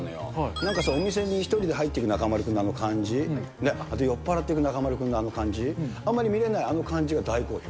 なんかお店に１人で入っていく中丸君のあの感じ、あと酔っぱらっていく中丸君のあの感じ、あんまり見れないあの感じが大好評。